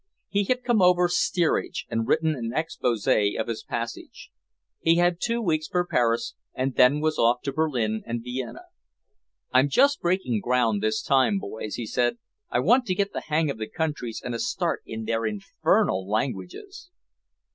He had come over steerage and written an exposé of his passage. He had two weeks for Paris and then was off to Berlin and Vienna. "I'm just breaking ground this time, boys," he said. "I want to get the hang of the countries and a start in their infernal languages."